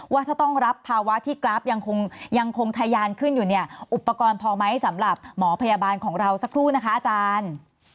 ว่าถ้าต้องรับภาวะที่กราฟยังคงยังคงทะยานขึ้นอยู่เนี่ยอุปกรณ์พอไหมสำหรับหมอพยาบาลของเราสักครู่นะคะอาจารย์